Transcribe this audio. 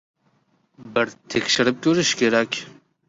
Bir tekshirib ko‘rish kerak...